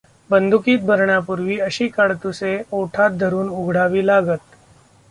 बंदुकीत भरण्यापूर्वी अशी काडतुसे ओठात धरून उघडावी लागत.